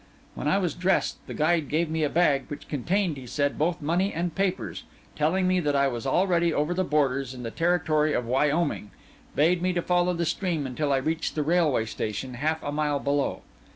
When I was dressed, the guide gave me a bag, which contained, he said, both money and papers; and telling me that I was already over the borders in the territory of Wyoming, bade me follow the stream until I reached the railway station, half a mile below.